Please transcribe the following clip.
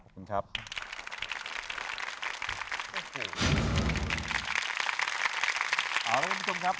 เอ้าครับลูกผู้ชมครับ